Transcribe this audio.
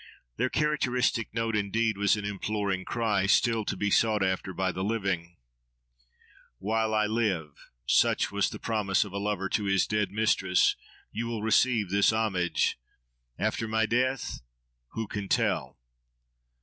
Their characteristic note, indeed, was an imploring cry, still to be sought after by the living. "While I live," such was the promise of a lover to his dead mistress, "you will receive this homage: after my death,—who can tell?"